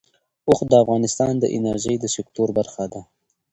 اوښ د افغانستان د انرژۍ د سکتور برخه ده.